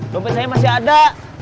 dompet saya masih ada